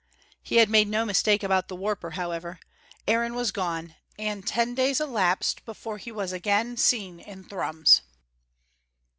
He had made no mistake about the warper, however. Aaron was gone, and ten days elapsed before he was again seen in Thrums.